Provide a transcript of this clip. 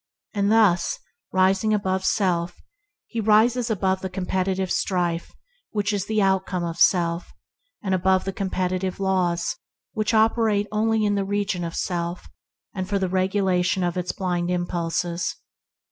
Thus rising above self, he rises above the competitive strife that is the outcome of self and above the competitive laws 38 ENTERING THE KINGDOM that operate only in the region of self and for the regulation of its blind im pulses.